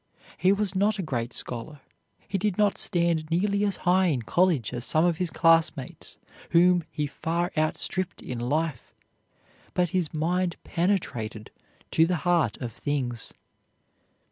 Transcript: He was not a great scholar; he did not stand nearly as high in college as some of his classmates whom he far outstripped in life, but his mind penetrated to the heart of things.